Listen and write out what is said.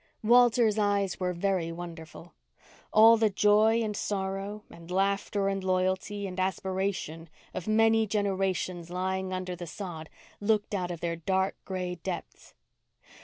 Walter's eyes were very wonderful. All the joy and sorrow and laughter and loyalty and aspiration of many generations lying under the sod looked out of their dark gray depths.